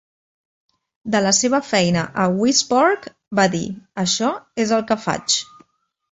De la seva feina a weSpark, va dir: Això és el que faig.